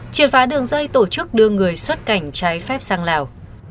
triệt phá đường dây tổ chức đưa người xuất cảnh trái phép sang lào